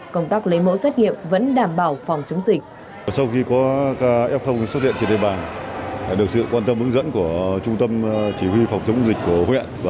công tác lấy mẫu xét nghiệm vẫn đảm bảo phòng chống dịch